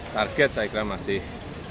target saya kira masih